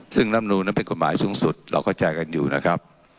รัฐมนุนเป็นกฎหมายสูงสุดเราเข้าใจกันอยู่นะครับ